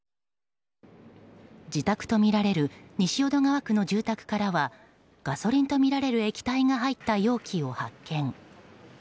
自宅とみられる西淀川区の住宅からはガソリンとみられる液体が入った容器を発見。